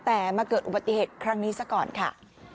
แต่มาเกิดอุบัติเหตุครั้งนี้ซะก่อนค่ะ